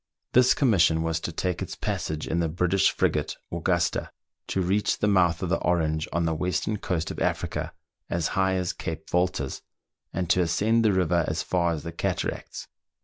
This commission was to take its passage in the British frigate "Augusta," to reach the mouth of the Orange on the western coast of Africa, as high as Cape Voltas, and to ascend the river as far as the cataracts.